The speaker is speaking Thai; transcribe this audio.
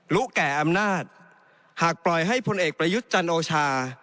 รู้แก่อำนาจหากปล่อยให้พลเอกประยุทธ์จันโอชา